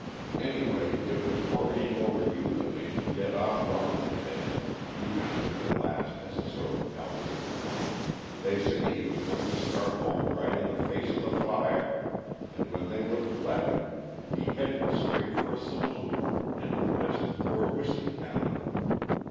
"Anyway, it was worrying over you that made him get off wrong to day," he ventured at last, as a sort of palliative. "They say he was going to start home right in the face of the fire, and when they wouldn't let him, he headed straight for a saloon and commenced to pour whisky down him.